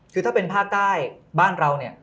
คือถ้าเป็นภาคใต้บ้านเราเนี่ย